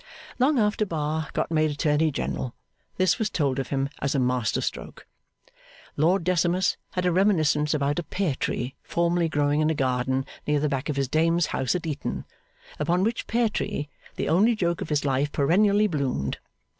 Long after Bar got made Attorney General, this was told of him as a master stroke. Lord Decimus had a reminiscence about a pear tree formerly growing in a garden near the back of his dame's house at Eton, upon which pear tree the only joke of his life perennially bloomed.